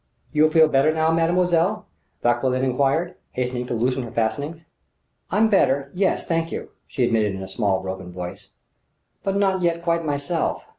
"You feel better now, mademoiselle?" Vauquelin enquired, hastening to loosen her fastenings. "I'm better yes, thank you," she admitted in a small, broken voice "but not yet quite myself."